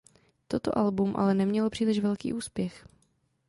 Toto album ale nemělo příliš velký úspěch.